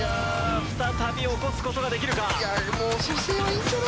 再び起こすことができるか。